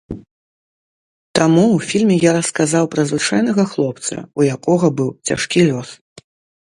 Таму ў фільме я расказаў пра звычайнага хлопца, у якога быў цяжкі лёс.